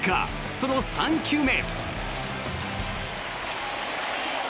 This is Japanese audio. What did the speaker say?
その３球目。